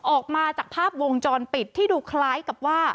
ออกมาจากภาพวงจรปิดที่ดูคล้ายกับว่า